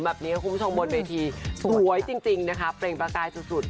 แบบนี้คุณผู้ชมบนเวทีสวยจริงนะคะเปล่งประกายสุด